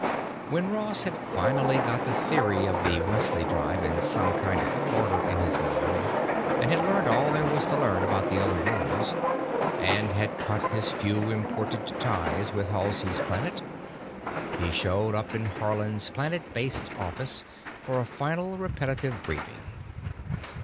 When Ross had finally got the theory of the Wesley Drive in some kind of order in his mind, and had learned all there was to learn about the other worlds, and had cut his few important ties with Halsey's Planet, he showed up in Haarland's planet based office for a final, repetitive briefing.